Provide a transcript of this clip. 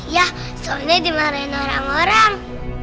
ya soalnya dimarahin orang orang